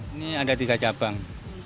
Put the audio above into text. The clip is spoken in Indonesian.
ini ada tiga cabang